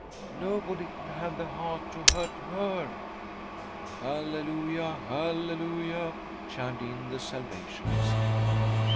Nobody could have the heart to hurt her.'' "" Halleluia ! Halleluia !" chimed in the Sal vationist.